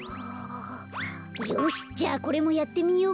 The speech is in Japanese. よしじゃあこれもやってみようか。